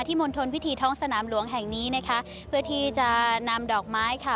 มณฑลพิธีท้องสนามหลวงแห่งนี้นะคะเพื่อที่จะนำดอกไม้ค่ะ